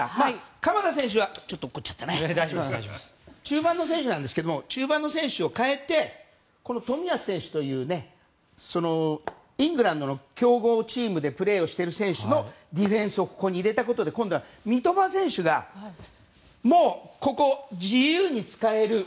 鎌田選手は中盤の選手なんですが中盤の選手を代えて冨安選手というイングランドの強豪チームでプレーをしている選手のディフェンスをここに入れたことで今度は三笘選手がここ、自由に使える。